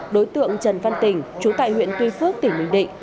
đối tượng trần phan tỉnh trú tại huyện tuy phước tỉnh bình định